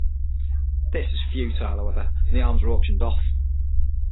This was futile, however, and the arms were auctioned off.